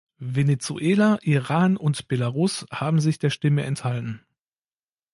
Venezuela, Iran und Belarus haben sich der Stimme enthalten.